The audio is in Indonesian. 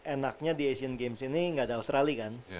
enaknya di asian games ini gak ada australia kan